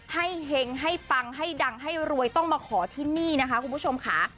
เห็งให้ปังให้ดังให้รวยต้องมาขอที่นี่นะคะคุณผู้ชมค่ะ